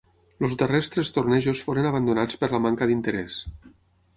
Els darrers tres tornejos foren abandonats per la manca d'interès.